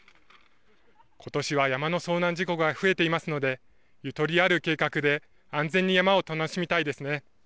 ことしは山の遭難事故が増えていますので、ゆとりある計画で、安全に山を楽しみたいですね。